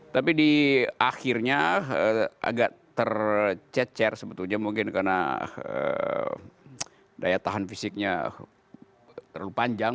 tapi di akhirnya agak tercecer sebetulnya mungkin karena daya tahan fisiknya panjang